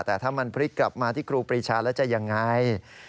แต่ถ้ามันพลิกกลับมาที่ครูปรีชาแล้วจะยังไง